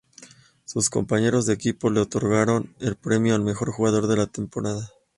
Sus compañeros de equipo le otorgaron el premio al mejor jugador de la temporada.